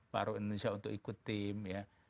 paru indonesia untuk ikut tim ya